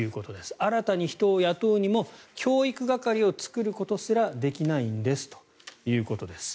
新たに人を雇うにも教育係を作ることすらできないんですということです。